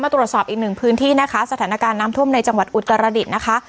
ตรวจสอบอีกหนึ่งพื้นที่นะคะสถานการณ์น้ำท่วมในจังหวัดอุตรดิษฐ์นะคะ